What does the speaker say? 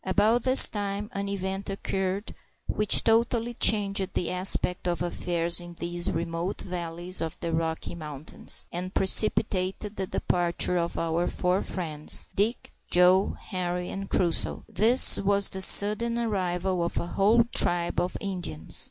About this time an event occurred which totally changed the aspect of affairs in these remote valleys of the Rocky Mountains, and precipitated the departure of our four friends, Dick, Joe, Henri, and Crusoe. This was the sudden arrival of a whole tribe of Indians.